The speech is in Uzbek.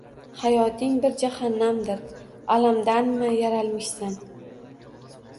Hayoting bir jahannamdir, alamdanmi yaralmishsan?